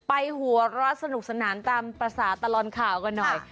ไปหัวรอสนุกสนานตามภาษาตลอนข่าวก่อนหน่อย